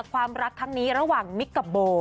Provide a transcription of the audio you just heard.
ความรักครั้งนี้ระหว่างมิกกับโบ